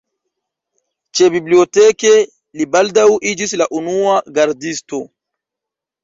Ĉebiblioteke li baldaŭ iĝis la unua gardisto.